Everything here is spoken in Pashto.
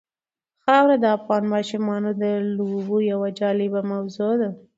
خاوره د افغان ماشومانو د لوبو یوه جالبه موضوع ده.